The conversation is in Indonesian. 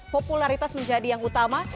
popularitas menjadi yang utama